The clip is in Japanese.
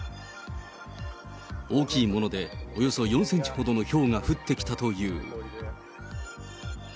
大きいものでおよそ４センチほどのひょうが降ってきたという。